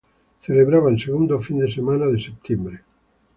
Celebrada en el segundo fin de semana de septiembre.